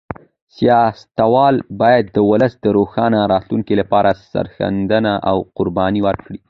سیاستوال باید د ولس د روښانه راتلونکي لپاره سرښندنه او قرباني ورکړي.